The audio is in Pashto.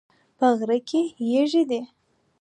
په غره کې یږي دي